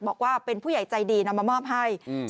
บอกว่าเป็นผู้ใหญ่ใจดีนำมามอบให้